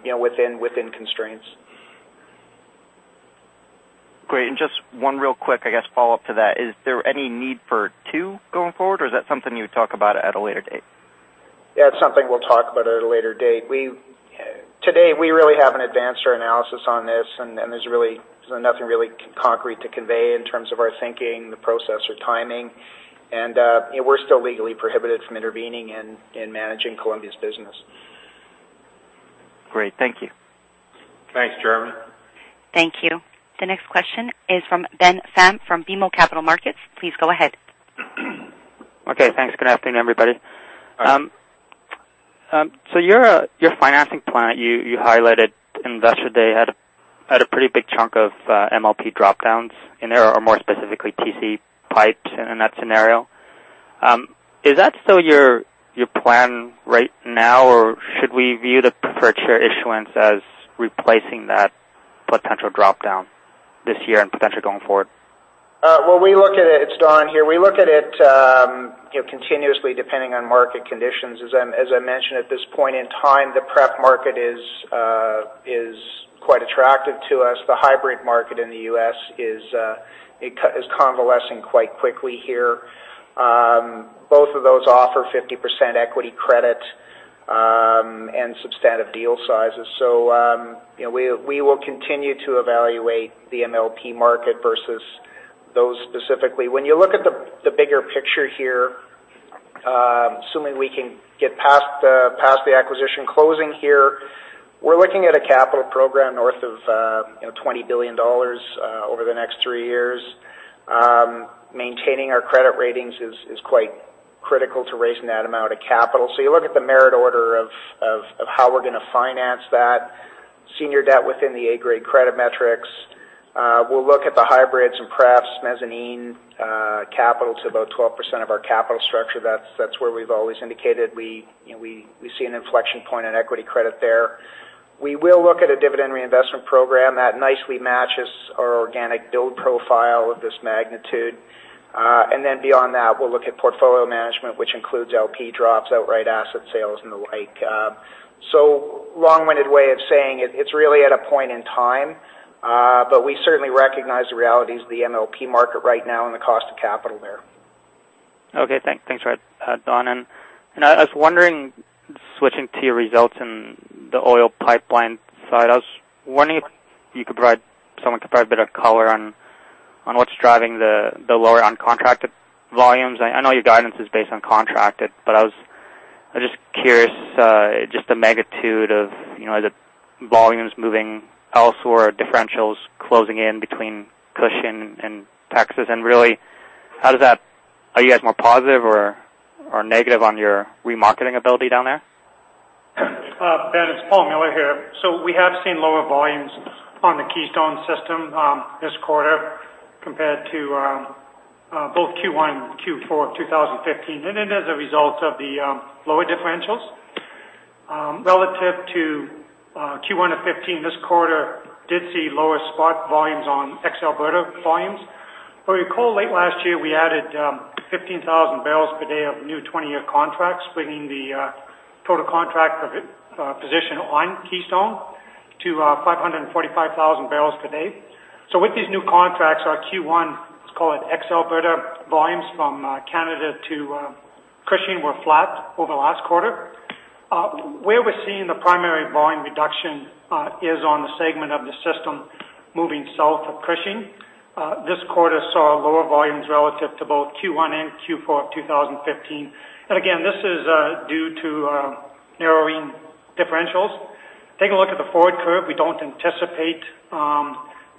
within constraints. Great. Just one real quick, I guess, follow-up to that. Is there any need for two going forward, or is that something you would talk about at a later date? Yeah, it's something we'll talk about at a later date. Today, we really haven't advanced our analysis on this, and there's nothing really concrete to convey in terms of our thinking, the process, or timing. We're still legally prohibited from intervening in managing Columbia's business. Great. Thank you. Thanks, Jeremy. Thank you. The next question is from Ben Pham from BMO Capital Markets. Please go ahead. Okay. Thanks. Good afternoon, everybody. Hi. Your financing plan, you highlighted Investor Day had a pretty big chunk of MLP drop-downs in there, or more specifically, TC Pipe in that scenario. Is that still your plan right now, or should we view the preferred share issuance as replacing that potential drop-down this year and potentially going forward? Well, it's Don here. We look at it continuously, depending on market conditions. As I mentioned, at this point in time, the pref market is quite attractive to us. The hybrid market in the U.S. is convalescing quite quickly here. Both of those offer 50% equity credit and substantive deal sizes. We will continue to evaluate the MLP market versus those specifically. When you look at the bigger picture here, assuming we can get past the acquisition closing here, we're looking at a capital program north of 20 billion dollars over the next three years. Maintaining our credit ratings is quite critical to raising that amount of capital. You look at the merit order of how we're going to finance that senior debt within the A-grade credit metrics. We'll look at the hybrids and perhaps mezzanine capital to about 12% of our capital structure. That's where we've always indicated we see an inflection point in equity credit there. We will look at a dividend reinvestment program that nicely matches our organic build profile of this magnitude. Beyond that, we'll look at portfolio management, which includes LP drops, outright asset sales, and the like. Long-winded way of saying it's really at a point in time, but we certainly recognize the realities of the MLP market right now and the cost of capital there. Okay, thanks Don. I was wondering, switching to your results in the oil pipeline side, I was wondering if someone could provide a bit of color on what's driving the lower uncontracted volumes. I know your guidance is based on contracted, but I was just curious, just the magnitude of, are the volumes moving elsewhere, differentials closing in between Cushing and Texas, and really, are you guys more positive or negative on your remarketing ability down there? Ben, it's Paul Miller here. We have seen lower volumes on the Keystone System this quarter compared to both Q1 and Q4 of 2015. It is a result of the lower differentials. Relative to Q1 of 2015, this quarter did see lower spot volumes on ex Alberta volumes. If you recall, late last year, we added 15,000 barrels per day of new 20-year contracts, bringing the total contract position on Keystone to 545,000 barrels per day. With these new contracts, our Q1, let's call it ex Alberta, volumes from Canada to Cushing were flat over the last quarter. Where we're seeing the primary volume reduction is on the segment of the System moving south of Cushing. This quarter saw lower volumes relative to both Q1 and Q4 of 2015. Again, this is due to narrowing differentials. Take a look at the forward curve. We don't anticipate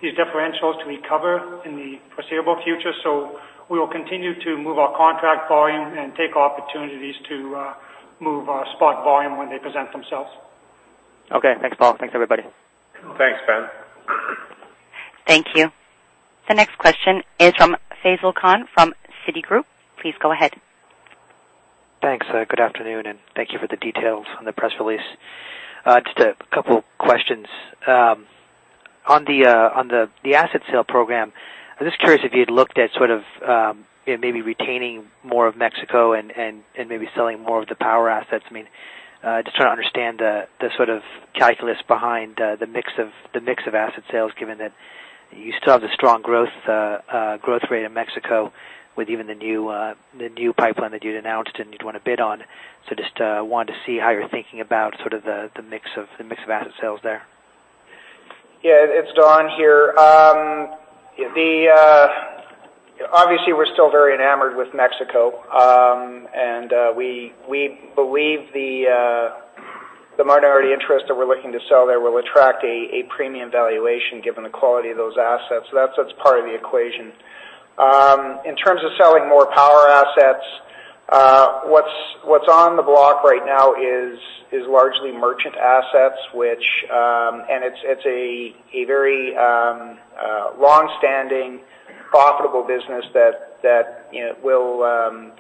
these differentials to recover in the foreseeable future. We will continue to move our contract volume and take opportunities to move our spot volume when they present themselves. Okay. Thanks, Paul. Thanks, everybody. Thanks, Ben. Thank you. The next question is from Faisal Khan from Citigroup. Please go ahead. Thanks. Good afternoon. Thank you for the details on the press release. Just a couple questions. On the asset sale program, I'm just curious if you'd looked at sort of maybe retaining more of Mexico and maybe selling more of the power assets. I mean, just trying to understand the sort of calculus behind the mix of asset sales, given that you still have the strong growth rate in Mexico with even the new pipeline that you'd announced and you'd won a bid on. Just wanted to see how you're thinking about sort of the mix of asset sales there. Yeah, it's Don here. Obviously, we're still very enamored with Mexico. We believe the minority interest that we're looking to sell there will attract a premium valuation given the quality of those assets. That's what's part of the equation. In terms of selling more power assets, what's on the block right now is largely merchant assets, and it's a very long-standing, profitable business that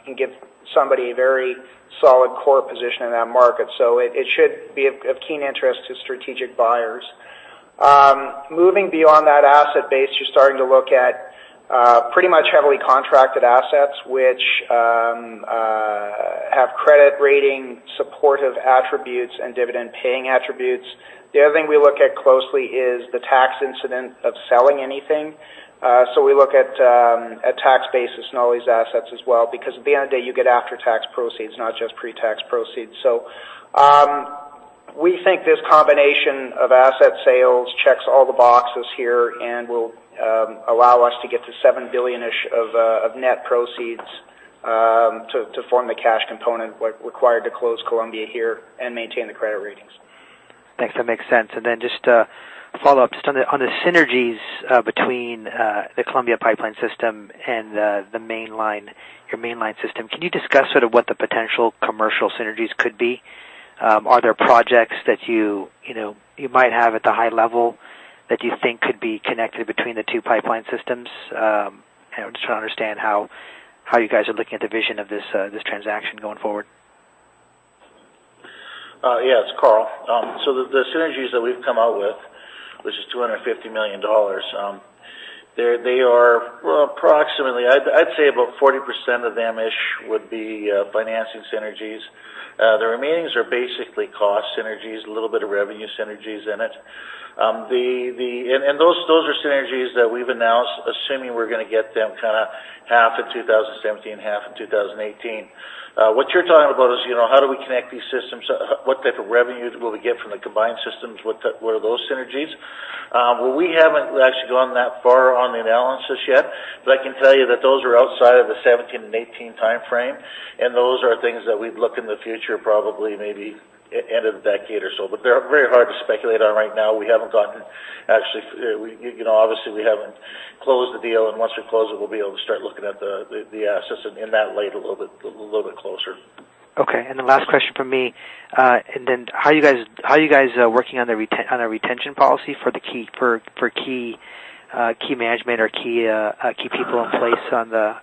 can give somebody a very solid core position in that market. It should be of keen interest to strategic buyers. Moving beyond that asset base, you're starting to look at pretty much heavily contracted assets, which have credit rating supportive attributes and dividend-paying attributes. The other thing we look at closely is the tax incident of selling anything. We look at tax basis on all these assets as well because at the end of the day, you get after-tax proceeds, not just pre-tax proceeds. We think this combination of asset sales checks all the boxes here and will allow us to get to 7 billion-ish of net proceeds, to form the cash component required to close Columbia here and maintain the credit ratings. Thanks. That makes sense. Then just a follow-up, just on the synergies between the Columbia Pipeline system and your mainline system. Can you discuss sort of what the potential commercial synergies could be? Are there projects that you might have at the high level that you think could be connected between the two pipeline systems? Just trying to understand how you guys are looking at the vision of this transaction going forward. Yeah. It's Karl. The synergies that we've come out with, which is 250 million dollars, they are approximately, I'd say about 40% of them-ish would be financing synergies. The remainings are basically cost synergies, a little bit of revenue synergies in it. Those are synergies that we've announced, assuming we're going to get them half in 2017, half in 2018. What you're talking about is, how do we connect these systems? What type of revenues will we get from the combined systems? What are those synergies? We haven't actually gone that far on the analysis yet, but I can tell you that those are outside of the 2017 and 2018 timeframe, and those are things that we'd look in the future, probably maybe end of the decade or so. Very hard to speculate on right now. Obviously, we haven't Close the deal, once we close it, we'll be able to start looking at the assets in that light a little bit closer. Okay. How are you guys working on the retention policy for key management or key people in place on the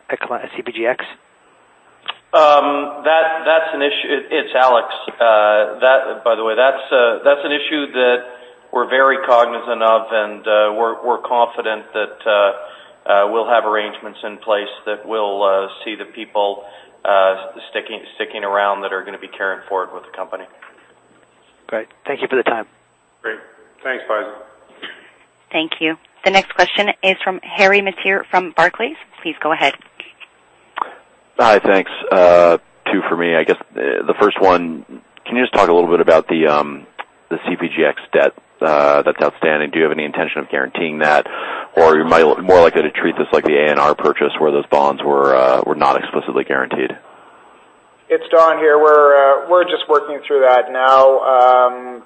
CPGX? It's Alex. By the way, that's an issue that we're very cognizant of, we're confident that we'll have arrangements in place that will see the people sticking around that are going to be carrying forward with the company. Great. Thank you for the time. Great. Thanks, Faisal. Thank you. The next question is from Harry Mateer from Barclays. Please go ahead. Hi. Thanks. Two for me. I guess the first one, can you just talk a little bit about the CPGX debt that's outstanding? Do you have any intention of guaranteeing that? Are you more likely to treat this like the ANR purchase where those bonds were not explicitly guaranteed? It's Don here. We're just working through that now.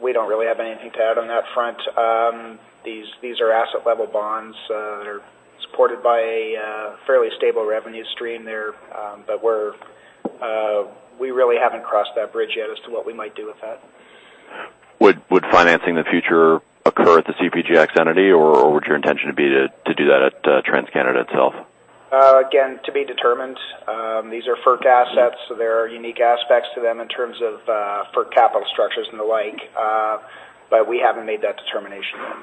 We don't really have anything to add on that front. These are asset-level bonds. They're supported by a fairly stable revenue stream there. We really haven't crossed that bridge yet as to what we might do with that. Would financing the future occur at the CPGX entity, would your intention be to do that at TransCanada itself? To be determined. These are FERC assets, so there are unique aspects to them in terms of FERC capital structures and the like. We haven't made that determination yet.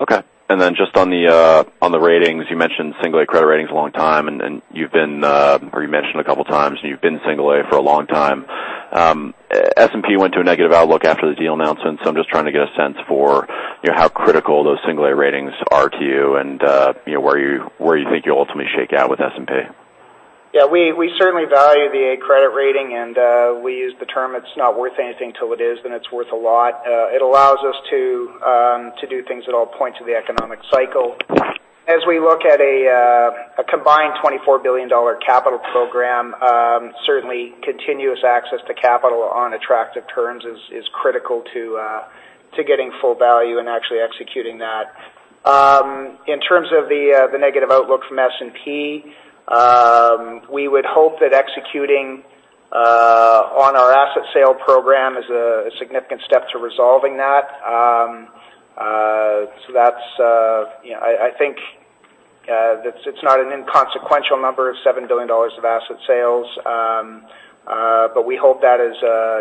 Okay. Then just on the ratings, you mentioned single A credit ratings a long time, or you mentioned a couple of times, you've been single A for a long time. S&P went to a negative outlook after the deal announcement. I'm just trying to get a sense for how critical those single A ratings are to you and where you think you'll ultimately shake out with S&P. Yeah, we certainly value the A credit rating, and we use the term, it's not worth anything till it is, then it's worth a lot. It allows us to do things at all points of the economic cycle. As we look at a combined 24 billion dollar capital program, certainly continuous access to capital on attractive terms is critical to getting full value and actually executing that. In terms of the negative outlook from S&P, we would hope that executing on our asset sale program is a significant step to resolving that. I think it's not an inconsequential number of 7 billion dollars of asset sales. We hope that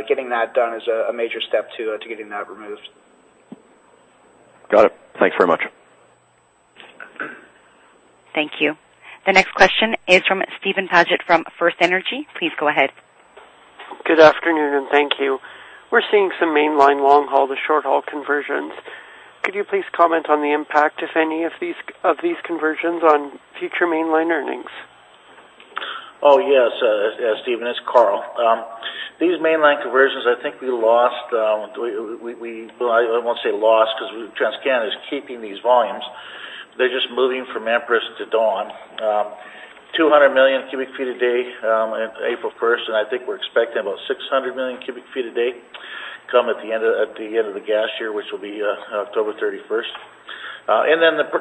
getting that done is a major step to getting that removed. Got it. Thanks very much. Thank you. The next question is from Steven Paget from FirstEnergy. Please go ahead. Good afternoon, thank you. We're seeing some mainline long-haul to short-haul conversions. Could you please comment on the impact, if any, of these conversions on future mainline earnings? Yes. Steven, it's Karl. These mainline conversions, I won't say lost because TransCanada is keeping these volumes. They're just moving from Empress to Dawn. 200 million cubic feet a day on April 1st, I think we're expecting about 600 million cubic feet a day come at the end of the gas year, which will be October 31st.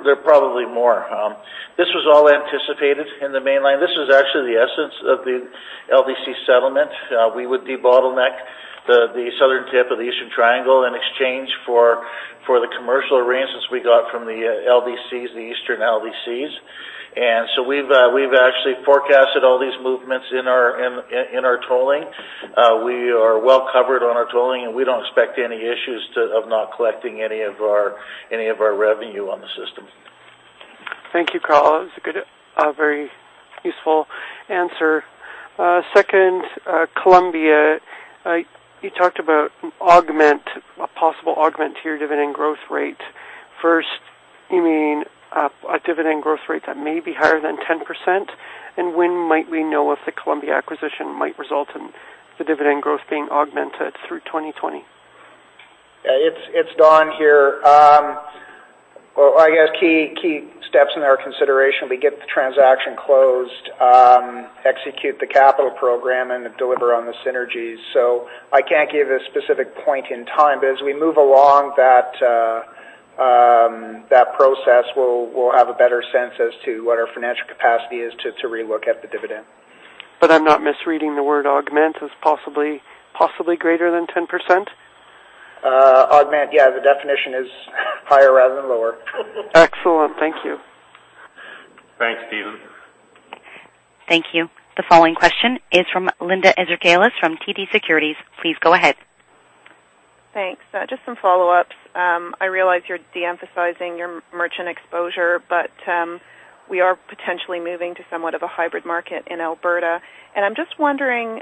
There are probably more. This was all anticipated in the mainline. This is actually the essence of the LDC settlement. We would debottleneck the southern tip of the Eastern Triangle in exchange for the commercial arrangements we got from the LDCs, the Eastern LDCs. So we've actually forecasted all these movements in our tolling. We are well covered on our tolling, we don't expect any issues of not collecting any of our revenue on the system. Thank you, Karl. That's a very useful answer. Second, Columbia, you talked about a possible augment to your dividend growth rate. First, you mean a dividend growth rate that may be higher than 10%? When might we know if the Columbia acquisition might result in the dividend growth being augmented through 2020? It's Don here. I guess key steps in our consideration, we get the transaction closed, execute the capital program, and deliver on the synergies. I can't give a specific point in time, but as we move along that process, we'll have a better sense as to what our financial capacity is to re-look at the dividend. I'm not misreading the word augment as possibly greater than 10%? Augment, the definition is higher rather than lower. Excellent. Thank you. Thanks, Steven. Thank you. The following question is from Linda Ezergailis from TD Securities. Please go ahead. Thanks. Just some follow-ups. I realize you're de-emphasizing your merchant exposure, but we are potentially moving to somewhat of a hybrid market in Alberta. I'm just wondering,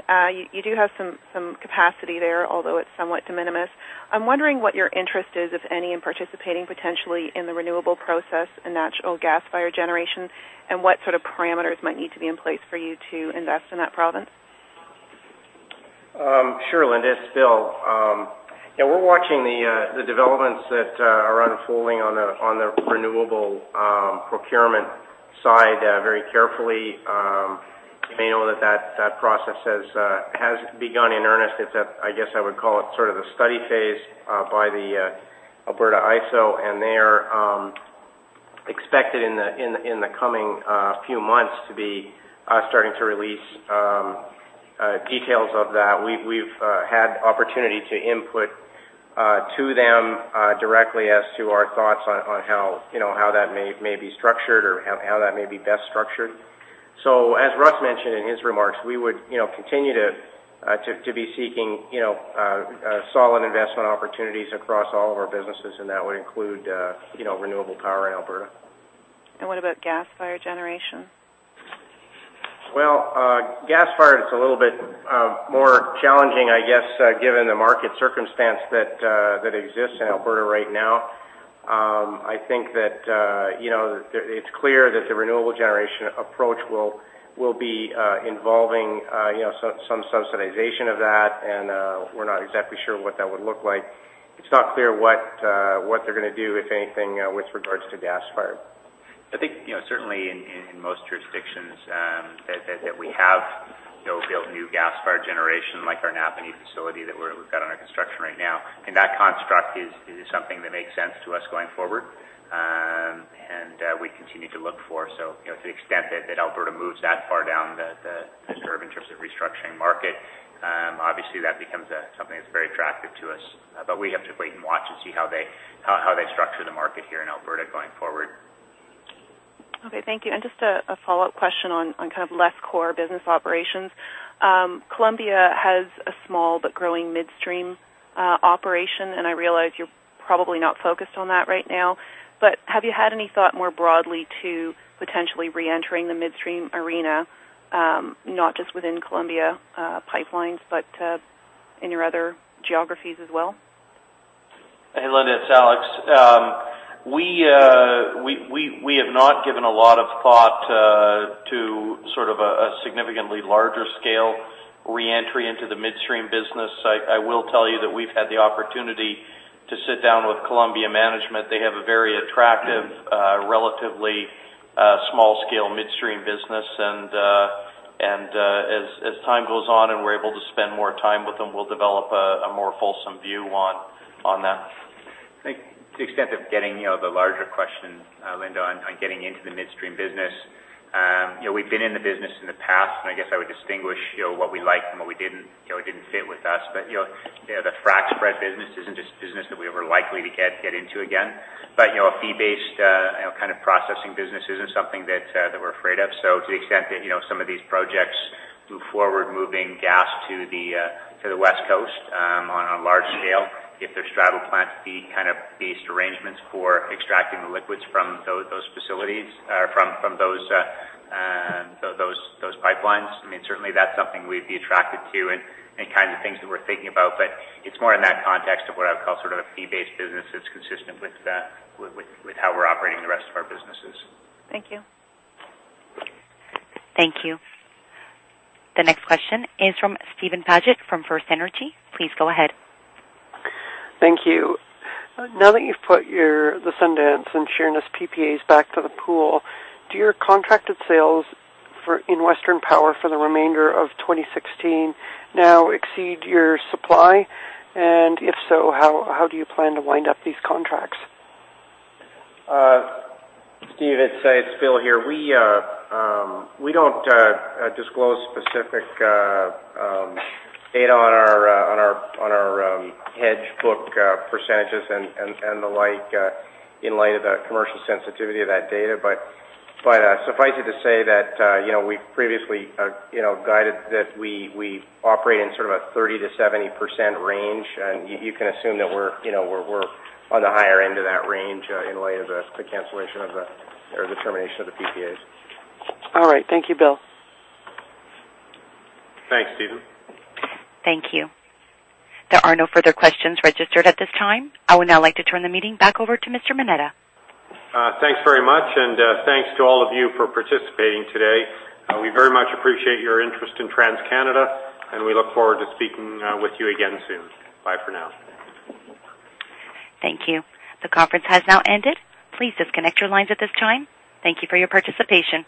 you do have some capacity there, although it's somewhat de minimis. I'm wondering what your interest is, if any, in participating potentially in the renewable process in natural gas-fired generation, and what sort of parameters might need to be in place for you to invest in that province? Sure, Linda. It's Bill. Yeah, we're watching the developments that are unfolding on the renewable procurement side very carefully. You may know that process has begun in earnest. I guess I would call it sort of the study phase by the Alberta ISO. They are expected in the coming few months to be starting to release details of that. We've had opportunity to input to them directly as to our thoughts on how that may be structured or how that may be best structured. As Russ mentioned in his remarks, we would continue to be seeking solid investment opportunities across all of our businesses, and that would include renewable power in Alberta. What about gas-fired generation? Gas-fired is a little bit more challenging, I guess, given the market circumstance that exists in Alberta right now. I think that it's clear that the renewable generation approach will be involving some subsidization of that, and we're not exactly sure what that would look like. It's not clear what they're going to do, if anything, with regards to gas-fired. I think, certainly in most jurisdictions that we have built new gas-fired generation, like our Napanee facility that we've got under construction right now, and that construct is something that makes sense to us going forward. To the extent that Alberta moves that far down the curve in terms of restructuring market, obviously, that becomes something that's very attractive to us. We have to wait and watch to see how they structure the market here in Alberta going forward. Okay. Thank you. Just a follow-up question on kind of less core business operations. Columbia has a small but growing midstream operation, and I realize you're probably not focused on that right now, but have you had any thought more broadly to potentially reentering the midstream arena, not just within Columbia pipelines, but in your other geographies as well? Hey, Linda. It's Alex. We have not given a lot of thought to sort of a significantly larger scale reentry into the midstream business. I will tell you that we've had the opportunity to sit down with Columbia management. They have a very attractive, relatively small-scale midstream business, and as time goes on and we're able to spend more time with them, we'll develop a more fulsome view on that. I think to the extent of getting the larger question, Linda, on getting into the midstream business. We've been in the business in the past, and I guess I would distinguish what we liked and what didn't fit with us. The frack spread business isn't a business that we were likely to get into again. A fee-based kind of processing business isn't something that we're afraid of. To the extent that some of these projects move forward, moving gas to the West Coast on a large scale, if there's straddle plant fee kind of based arrangements for extracting the liquids from those pipelines, certainly that's something we'd be attracted to and kinds of things that we're thinking about. It's more in that context of what I would call sort of a fee-based business that's consistent with how we're operating the rest of our businesses. Thank you. Thank you. The next question is from Steven Paget from FirstEnergy. Please go ahead. Thank you. Now that you've put the Sundance and Sheerness PPAs back to the pool, do your contracted sales in Western Power for the remainder of 2016 now exceed your supply? If so, how do you plan to wind up these contracts? Steven, it's Bill here. We don't disclose specific data on our hedge book percentages and the like in light of the commercial sensitivity of that data. Suffice it to say that we previously guided that we operate in sort of a 30%-70% range, you can assume that we're on the higher end of that range in light of the cancellation of the, or the termination of the PPAs. All right. Thank you, Bill. Thanks, Steven. Thank you. There are no further questions registered at this time. I would now like to turn the meeting back over to Mr. Moneta. Thanks very much. Thanks to all of you for participating today. We very much appreciate your interest in TransCanada. We look forward to speaking with you again soon. Bye for now. Thank you. The conference has now ended. Please disconnect your lines at this time. Thank you for your participation.